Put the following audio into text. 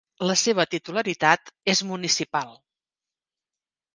La seva titularitat és municipal.